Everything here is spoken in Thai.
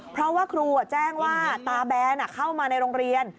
เพราะว่าครูแจ้งว่าตาแบนเข้ามาในโรงเรียน